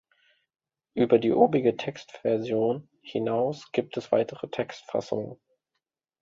Über die obige Textversion hinaus gibt es weitere Textfassungen.